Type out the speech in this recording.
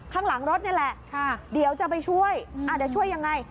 ข้างหลังรถนี่แหละเดี๋ยวจะไปช่วยเดี๋ยวช่วยยังไง